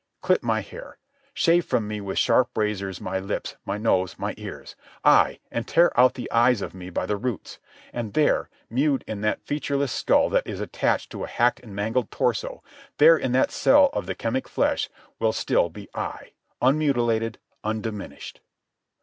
Clip my hair. Shave from me with sharp razors my lips, my nose, my ears—ay, and tear out the eyes of me by the roots; and there, mewed in that featureless skull that is attached to a hacked and mangled torso, there in that cell of the chemic flesh, will still be I, unmutilated, undiminished.